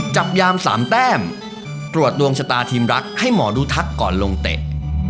จับยามสามแต้มตรวจดวงชะตาทีมรักให้หมอดูทักก่อนลงเตะ